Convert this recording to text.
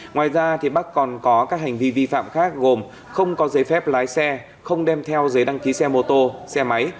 ngoài ra bắc còn có các hành vi vi phạm khác gồm không có giấy phép lái xe không đem theo giấy đăng ký xe mô tô xe máy